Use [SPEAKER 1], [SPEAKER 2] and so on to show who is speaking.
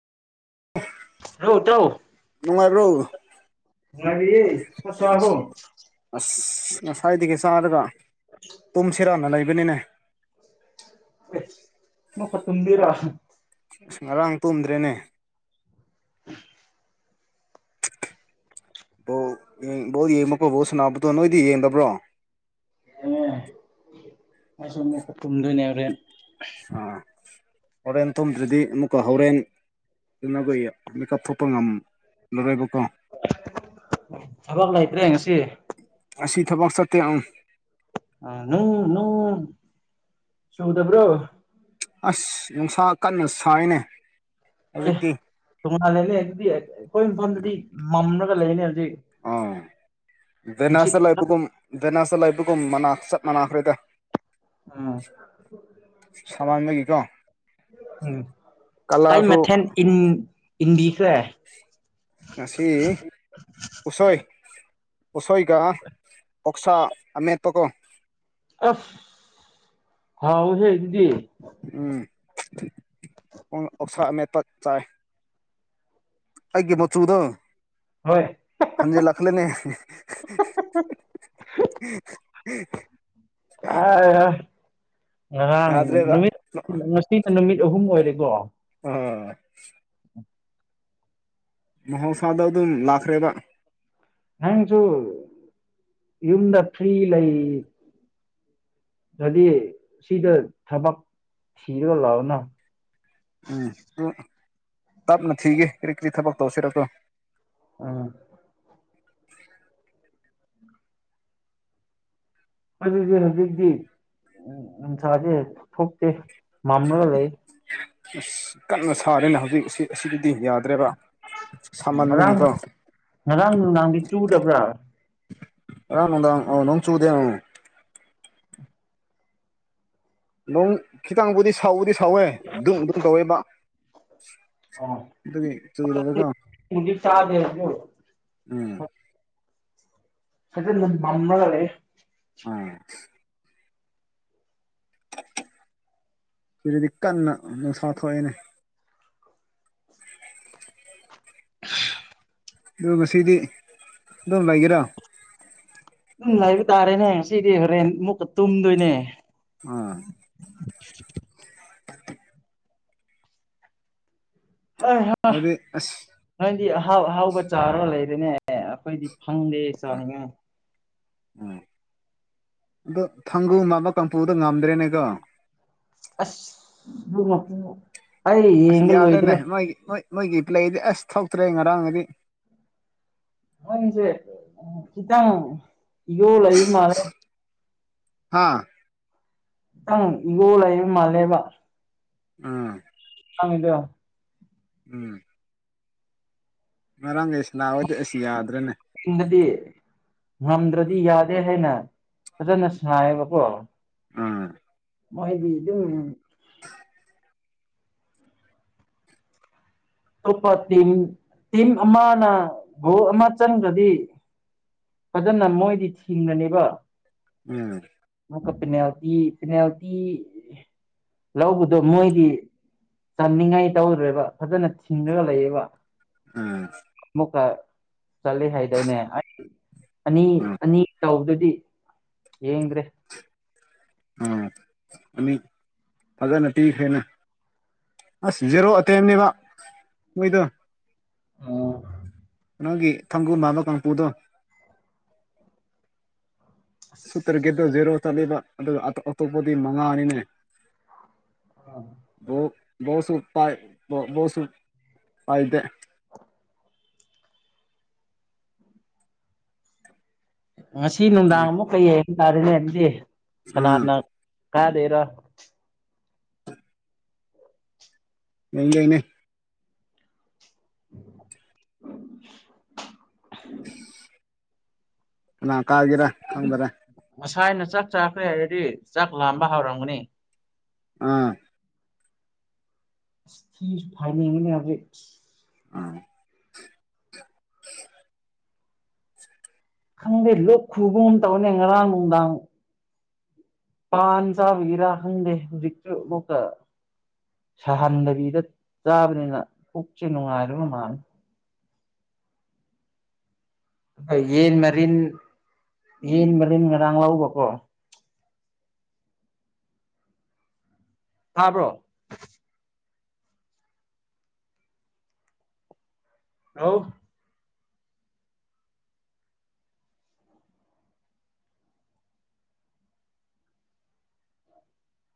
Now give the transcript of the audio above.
[SPEAKER 1] Hello ꯏꯇꯥꯎ
[SPEAKER 2] ꯅꯨꯡꯉꯥꯏꯔ꯭ꯔꯣ
[SPEAKER 1] ꯉꯔꯤ ꯀꯠꯇꯕꯣ
[SPEAKER 2] ꯑꯁ ꯉꯁꯥꯏꯗꯒꯤ ꯆꯥꯔꯒ ꯇꯨꯝꯁꯤꯔꯅ ꯂꯩꯕꯅꯤꯅꯦ
[SPEAKER 1] ꯑꯦꯁ [unintelligible] ꯇꯨꯝꯕꯤꯔ
[SPEAKER 2] ꯑꯁ ꯉꯔꯥꯡ ꯇꯨꯝꯗ꯭ꯔꯦꯅꯦ ꯕꯣꯜ ꯌꯦꯡ ꯕꯣꯜ ꯌꯦꯡꯕꯈꯣꯏ ꯕꯣꯜ ꯁꯅꯥꯕꯗꯣ ꯅꯣꯏꯗꯤ ꯌꯦꯡꯗꯕ꯭ꯔꯣ
[SPEAKER 1] ꯑꯦ ꯑꯩꯁꯦ ꯑꯃꯨꯛꯀ ꯇꯨꯝꯗꯣꯏꯅꯦ ꯍꯣꯔꯦꯟ
[SPEAKER 2] ꯑꯥ ꯍꯣꯔꯦꯟ ꯇꯨꯝꯗꯔꯗꯤ ꯑꯃꯨꯛꯀ ꯍꯣꯔꯦꯟ ꯑꯗꯨꯅ ꯑꯩꯈꯣꯏ ꯃꯦꯀꯞ ꯊꯣꯛꯄ ꯉꯝꯂꯔꯣꯏꯕꯀꯣ
[SPEAKER 1] ꯊꯕꯛ ꯂꯩꯇ꯭ꯔꯦ ꯉꯁꯤ
[SPEAKER 2] ꯑꯁꯤ ꯊꯕꯛ ꯆꯠꯇꯦ ꯑꯪ
[SPEAKER 1] ꯅꯨꯡ ꯅꯨꯡ ꯆꯨꯗꯕ꯭ꯔꯣ
[SPEAKER 2] ꯑꯁ ꯅꯨꯡꯁꯥ ꯀꯟꯅ ꯁꯥꯏꯅꯦ
[SPEAKER 1] ꯑꯦ
[SPEAKER 2] ꯍꯧꯖꯤꯛꯇꯤ
[SPEAKER 1] ꯇꯣꯉꯥꯟꯂꯦꯅꯦ ꯑꯗꯨꯗꯤ ꯑꯩꯈꯣꯏ ꯃꯐꯝꯗꯗꯤ ꯃꯝꯂꯒ ꯂꯩꯌꯦꯅꯦ ꯍꯧꯖꯤꯛ
[SPEAKER 2] ꯑꯣ
[SPEAKER 1] ꯅꯨꯡꯁꯤꯠ
[SPEAKER 2] ꯚꯦꯅꯥꯁꯇ ꯂꯩꯕꯒꯨꯝ ꯚꯦꯅꯥꯁꯇ ꯂꯩꯕꯒꯨꯝ ꯃꯅꯥ ꯆꯠ ꯃꯅꯥꯈ꯭ꯔꯦꯗ
[SPEAKER 1] ꯎꯝ
[SPEAKER 2] ꯁꯥꯃꯟꯕꯒꯤꯀꯣ
[SPEAKER 1] ꯎꯝ ꯀꯥꯏ
[SPEAKER 2] ꯀꯂꯔꯁꯨ
[SPEAKER 1] ꯃꯊꯦꯟ ꯏꯟ ꯏꯟꯕꯤꯈ꯭ꯔꯦ
[SPEAKER 2] ꯉꯁꯤ ꯎꯁꯣꯏ ꯎꯁꯣꯏꯒ ꯑꯣꯛꯁꯥ ꯑꯃꯦꯠꯄꯀꯣ
[SPEAKER 1] ꯑꯁ ꯍꯥꯎꯋꯦꯍꯦ ꯑꯗꯨꯗꯤ
[SPEAKER 2] ꯎꯝ ꯑꯣꯛꯁꯥ ꯑꯃꯦꯠꯄ ꯆꯥꯏ ꯑꯩꯒꯤ ꯃꯆꯨꯗꯣ
[SPEAKER 1] ꯍꯣꯏ
[SPEAKER 2] ꯍꯟꯖꯤꯜ ꯂꯛꯂꯦꯅꯦ
[SPEAKER 1] [unintelligible] ꯉꯥꯔꯥꯡ
[SPEAKER 2] ꯌꯥꯗ꯭ꯔꯦꯕ
[SPEAKER 1] ꯅꯨꯃꯤꯠ [unintelligible] ꯁꯤꯒ ꯅꯨꯃꯤꯠ ꯑꯍꯨꯝ ꯑꯣꯏꯔꯦꯀꯣ
[SPEAKER 2] ꯍꯥ ꯃꯍꯧꯁꯥꯗ ꯑꯗꯨꯝ ꯂꯥꯛꯈ꯭ꯔꯦꯕ
[SPEAKER 1] ꯅꯪꯖꯨ ꯌꯨꯝꯗ ꯐ꯭ꯔꯤ ꯂꯩ ꯔꯗꯤ ꯁꯤꯗ ꯊꯕꯛ ꯊꯤꯔꯒ ꯂꯥꯛꯑꯣꯅ
[SPEAKER 2] ꯎꯝ ꯇꯞꯅ ꯊꯤꯒꯦ ꯀꯔꯤ ꯀꯔꯤ ꯊꯕꯛ ꯇꯧꯁꯤꯔꯀꯣ
[SPEAKER 1] ꯎꯝ ꯑꯩꯈꯣꯗꯗꯤ ꯍꯧꯖꯤꯛꯇꯤ ꯎꯝ ꯅꯨꯡꯁꯥꯖꯦ ꯊꯣꯛꯇꯦ ꯃꯝꯂꯒ ꯂꯩ
[SPEAKER 2] ꯑꯁ ꯀꯟꯅ ꯁꯥꯔꯦꯅ ꯍꯧꯖꯤꯛ ꯑꯁꯤ ꯑꯁꯤꯗꯗꯤ ꯌꯥꯗ꯭ꯔꯦꯕ
[SPEAKER 1] ꯉꯔꯥꯡ
[SPEAKER 2] ꯁꯥꯃꯟꯕꯒꯤꯀꯣ
[SPEAKER 1] ꯉꯔꯥꯡ ꯅꯨꯡꯗꯥꯡꯗꯤ ꯆꯨꯗꯕ꯭ꯔꯥ꯫
[SPEAKER 2] ꯉꯥꯔꯥꯡꯅꯨꯡꯗꯥꯡ ꯑꯥ ꯅꯣꯡꯆꯨꯗꯦ [unintelligible] ꯅꯣꯡ ꯈꯤꯇꯪꯕꯨꯗꯤ ꯁꯥꯎꯕꯗꯤ ꯁꯥꯎꯋꯦ ꯗꯨꯡ ꯗꯨꯡ ꯇꯧꯋꯦꯕ꯫ ꯑꯗꯨꯒꯤ ꯆꯨꯗꯀꯣ
[SPEAKER 1] ꯅꯣꯡꯗꯤ ꯇꯥꯗꯦ ꯑꯗꯨ
[SPEAKER 2] ꯎꯝ꯫
[SPEAKER 1] ꯁꯤꯖꯤꯟꯗ ꯃꯝꯃꯒꯂꯩꯌꯦ꯫
[SPEAKER 2] ꯑꯁ꯫ ꯁꯤꯗꯗꯤ ꯀꯟꯅ ꯅꯨꯡꯁꯥ ꯊꯣꯛꯑꯦꯅꯦ꯫ ꯑꯗꯨ ꯉꯁꯤꯗꯤ ꯑꯗꯨꯝ ꯂꯩꯒꯦꯔꯥ꯫
[SPEAKER 1] ꯑꯗꯨꯝ ꯂꯩꯕ ꯇꯥꯔꯦꯅꯦ ꯁꯤꯗꯤ ꯍꯣꯔꯦꯟ ꯃꯨꯛꯀ ꯇꯨꯝꯗꯣꯏꯅꯦ꯫
[SPEAKER 2] ꯑꯥ
[SPEAKER 1] [unintelligible] ꯍꯩ ꯍꯥ
[SPEAKER 2] ꯑꯗꯨꯗꯤ ꯑꯁ
[SPEAKER 1] ꯅꯪꯗꯤ ꯑꯍꯥꯎ ꯑꯍꯥꯎꯕ ꯆꯥꯔ ꯂꯩꯔꯦꯅꯦ ꯑꯦ ꯑꯩꯈꯣꯏꯗꯤ ꯐꯪꯗꯦ ꯆꯥꯅꯉꯥꯏ
[SPEAKER 2] ꯑꯣ ꯑꯗꯣ ꯊꯥꯡꯒꯨ ꯃꯥꯟꯕ ꯀꯥꯡꯄꯨꯗ ꯉꯝꯗ꯭ꯔꯦꯅꯦꯀꯣ
[SPEAKER 1] ꯑꯁ ꯑꯗꯨ ꯃꯄꯨ ꯑꯩ
[SPEAKER 2] ꯑꯁ
[SPEAKER 1] ꯌꯦꯡꯕ ꯂꯣꯏꯗ꯭ꯔꯦ
[SPEAKER 2] [unintelligible] ꯃꯣꯏꯒꯤ ꯄ꯭ꯂꯦꯗꯤ ꯑꯁ ꯊꯣꯛꯇ꯭ꯔꯦ ꯉꯔꯥꯡꯒꯤꯗꯤ
[SPEAKER 1] ꯅꯪꯁꯦ ꯈꯤꯇꯪ ꯏꯒꯣ ꯂꯩ ꯃꯥꯜꯂꯦ
[SPEAKER 2] ꯍꯥꯥ
[SPEAKER 1] ꯈꯤꯇꯪ ꯏꯒꯣꯜ ꯂꯩꯕ ꯃꯥꯜꯂꯦꯕ
[SPEAKER 2] ꯎꯝ
[SPEAKER 1] ꯍꯪꯒꯤꯗꯣ꯫
[SPEAKER 2] ꯎꯝ꯫ ꯉꯔꯥꯡꯒꯤ ꯁꯥꯅꯕꯗꯨ ꯑꯩꯁ ꯌꯥꯗ꯭ꯔꯦꯅꯦ꯫
[SPEAKER 1] ꯇꯨꯡꯗꯗꯤ ꯉꯝꯗ꯭ꯔꯗꯤ ꯌꯥꯗꯦ ꯍꯥꯏꯅ ꯐꯖꯅ ꯁꯉꯥꯏꯌꯦꯕꯀꯣ꯫
[SPEAKER 2] ꯑꯥ꯫
[SPEAKER 1] ꯃꯥꯏꯕꯤ ꯑꯗꯨꯝ꯫ ꯑꯇꯣꯞꯄ ꯇꯤꯝ ꯇꯤꯝ ꯑꯃꯅ ꯒꯣꯜ ꯑꯃ ꯆꯟꯒꯔꯗꯤ꯫ ꯐꯖꯅ ꯃꯣꯏꯗꯤ ꯊꯤꯡꯅꯅꯦꯕ꯫
[SPEAKER 2] ꯎꯝ
[SPEAKER 1] ꯑꯃꯨꯛꯛ ꯄꯦꯅꯥꯜꯇꯤ ꯄꯦꯅꯥꯜꯇꯤ꯫ ꯂꯧꯕꯗꯣ ꯃꯣꯏꯗꯤ ꯆꯥꯅꯤꯡꯉꯥꯏ ꯇꯧꯗ꯭ꯔꯦꯕ ꯐꯖꯅ ꯊꯤꯡꯉꯒ ꯂꯩꯌꯦꯕ꯫
[SPEAKER 2] ꯎꯝ꯫
[SPEAKER 1] ꯑꯃꯨꯛꯀ ꯆꯠꯂꯤ ꯍꯥꯏꯗꯏꯅꯦ ꯑꯅꯤ
[SPEAKER 2] ꯎꯝ
[SPEAKER 1] ꯑꯅꯤ ꯇꯧꯕꯗꯨꯗꯤ꯫ ꯌꯦꯡꯗꯔꯦ꯫
[SPEAKER 2] ꯑꯥ ꯃꯤꯅꯤ ꯐꯖꯅ ꯄꯤꯈ꯭ꯔꯦꯅꯦ꯫ ꯑꯁ ꯖꯦꯔꯣ ꯑꯇꯦꯝꯅꯦꯕ ꯃꯤꯗꯣ꯫ ꯅꯣꯏꯒꯤ ꯊꯥꯡꯒꯨꯜ ꯃꯥꯟꯕ ꯀꯥꯡꯄꯨꯗꯣ꯫ ꯁꯨꯇꯔꯒꯤꯗꯣ ꯖꯦꯔꯣ ꯆꯠꯂꯤꯕ ꯑꯗꯨꯒꯞ ꯑꯇꯣꯞꯄꯗꯤ ꯃꯉꯥꯅꯤꯅꯦ꯫ ꯕꯣꯜ ꯕꯣꯜ ꯕꯣꯜꯁꯨ ꯄꯥꯏ ꯄꯥꯏꯗꯦ꯫
[SPEAKER 1] ꯉꯁꯤ ꯅꯨꯡꯗꯥꯡ ꯑꯃꯨꯛ ꯀ ꯌꯦꯡꯕ ꯇꯥꯔꯦꯅꯦ ꯑꯗꯨꯗꯤ
[SPEAKER 2] ꯑꯥ
[SPEAKER 1] ꯀꯅꯥꯅ ꯀꯥꯗꯣꯏꯔꯥ꯫
[SPEAKER 2] [unintelligible]
[SPEAKER 1] [inaudible]
[SPEAKER 2] ꯀꯥꯅ ꯀꯥꯒꯦꯔ꯫
[SPEAKER 1] ꯉꯁꯥꯏꯅ ꯆꯥꯛ ꯆꯥꯈ꯭ꯔꯦ ꯍꯥꯏꯔꯗꯤ ꯆꯥꯛ ꯂꯥꯝꯕ ꯍꯧꯔꯝꯒꯅꯤ꯫
[SPEAKER 2] ꯑꯥ꯫
[SPEAKER 1] ꯏꯁ ꯐꯥꯏꯅꯤꯡꯕꯅꯦ ꯍꯧꯖꯤꯛ꯫
[SPEAKER 2] ꯑ꯫ [inaudible]
[SPEAKER 1] ꯈꯪꯗꯦ ꯂꯣꯛ ꯈꯨꯕꯒꯨꯝ ꯇꯧꯕꯅꯦ ꯉꯔꯥꯡ ꯅꯨꯡꯗꯥꯡ꯫ ꯄꯥꯟ ꯆꯕꯒꯤꯔ ꯈꯪꯗꯦ ꯍꯧꯖꯤꯛꯁꯨ ꯑꯃꯨꯛꯀ꯫ ꯁꯥꯍꯟꯗꯕꯤꯗ ꯆꯥꯕꯅꯤꯅ ꯄꯨꯛꯁꯦ ꯅꯨꯡꯉꯥꯏꯔꯕ ꯃꯥꯜꯂꯤ꯫ ꯑꯥ ꯌꯦꯟ ꯃꯔꯤꯟ ꯌꯦꯟ ꯃꯔꯤꯟ ꯃꯔꯥꯡ ꯂꯥꯎꯕꯀꯣ ꯇꯥꯕ꯭ꯔꯣ ꯍꯜꯂꯣ